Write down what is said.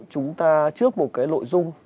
chúng ta trước một cái nội dung